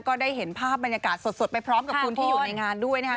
ก็ได้เห็นภาพบรรยากาศสดไปพร้อมกับคุณที่อยู่ในงานด้วยนะครับ